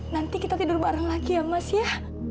nanti kita tidur bareng lagi ya mas ya